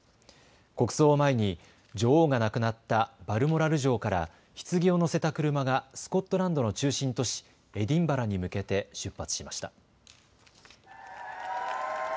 国葬を前に女王が亡くなったバルモラル城からひつぎを乗せた車がスコットランドの中心都市エディンバラに向けて出発しました。